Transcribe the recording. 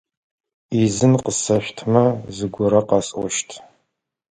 Ӏизын къысэшъутмэ, зыгорэ къэсӀощт.